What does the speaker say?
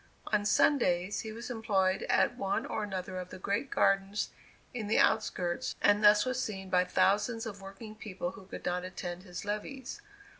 On Sundays, he was employed at one or another of the great gardens in the outskirts, and thus was seen by thousands of working people who could not attend his levees.